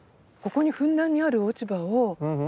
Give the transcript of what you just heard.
ここにふんだんにある落ち葉を利用して。